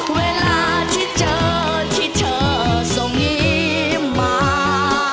เวลาที่เจอที่เธอส่งยิ้มมา